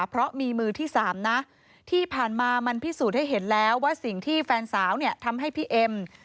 เพราะมีมือที่สามนะที่ผ่านมามันพิสูจน์ให้เห็นแล้วว่าสิ่งที่แฟนสาวเนี่ยทำให้พี่เอ็ม